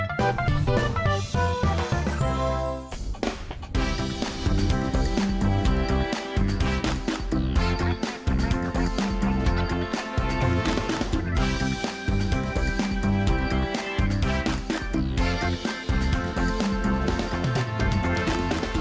สวัสดีครับ